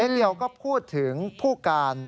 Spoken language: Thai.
เร็วก็พูดถึงผู้การ